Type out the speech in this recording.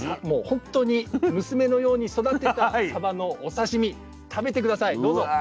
もう本当に娘のように育てたサバのお刺身食べて下さいどうぞ。